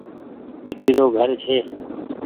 ميٽي رو گهر ڇي۔